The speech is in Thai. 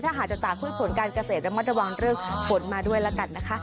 ถ้าหากจะต่างคุ้นผลการเกษตรแล้วมัดตะวันเรื่องผลมาด้วยละกันนะคะ